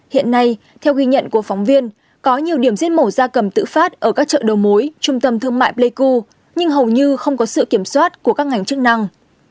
hiện nay theo ghi nhận của phóng viên có nhiều điểm giết mổ ra cầm tự phát ở các chợ đầu mối trung tâm thương mại pleiku nhưng hầu như không có sự kiểm soát của các ngành chức năng